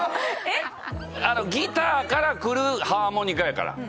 ギターからくるハーモニカやから。